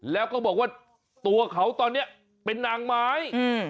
แล้วก็บอกว่าตัวเขาตอนนี้เป็นนางไม้